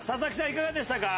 いかがでしたか？